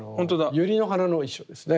ユリの花の意匠ですね。